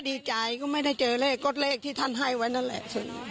ดีใจก็ไม่ได้เจอเลขก็เลขที่ท่านให้ไว้นั่นแหละ